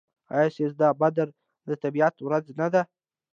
آیا سیزده بدر د طبیعت ورځ نه ده؟